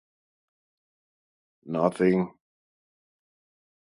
Nothing.